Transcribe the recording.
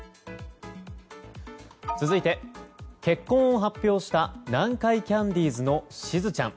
続いて、結婚を発表した南海キャンディーズのしずちゃん。